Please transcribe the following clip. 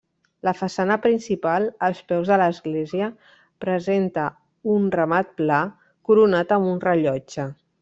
La façana principal, als peus de l'església, presenta un remat pla, coronat amb un rellotge.